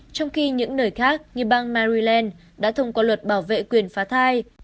trong khi những nơi khác như bang maryland đã thông qua luật bảo vệ quyền phá thai